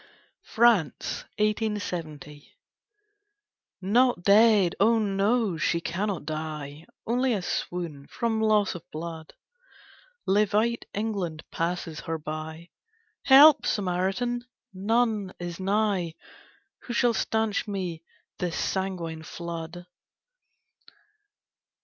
FRANCE. 1870. Not dead, oh no, she cannot die! Only a swoon, from loss of blood! Levite England passes her by, Help, Samaritan! None is nigh; Who shall stanch me this sanguine flood?